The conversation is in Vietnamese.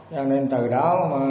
cho nên từ đó